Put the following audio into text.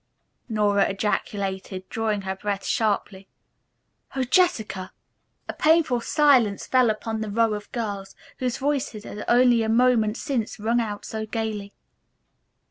Nora ejaculated, drawing her breath sharply. "Oh, Jessica!" A painful silence fell upon the row of girls, whose voices had only a moment since rung out so gayly.